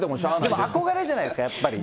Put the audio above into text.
でも、憧れじゃないですか、やっぱり。